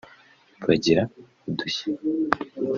Bagira udushya